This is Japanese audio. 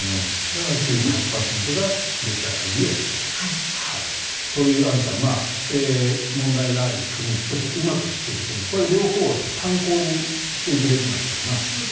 だから９８％がデジタルＩＤを持っているというという、アンジュさん問題がある国そしてうまくいってる国両方を参考にしていくべきなんだろうなと。